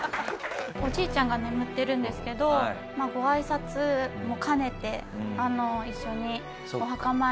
おじいちゃんが眠ってるんですけどご挨拶も兼ねて一緒にお墓参り行こうかなと。